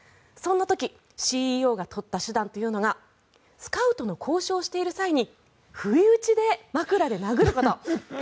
そんな時、ＣＥＯが取った手段がスカウトの交渉をしている際に不意打ちで枕で殴ること。